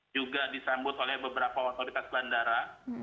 juga disambut oleh beberapa wakil dekat selandara